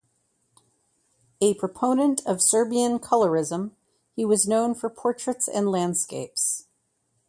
A proponent of Serbian colorism, he was known for portraits and landscapes.